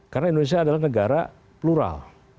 karena indonesia adalah negara plural